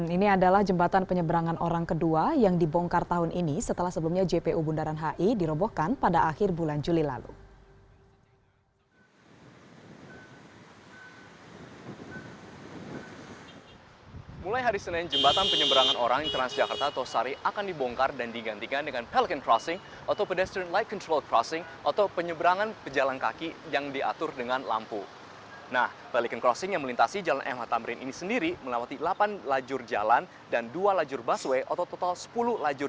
ini adalah jembatan penyeberangan orang kedua yang dibongkar tahun ini setelah sebelumnya jpu bundaran hi dirobohkan pada akhir bulan juli lalu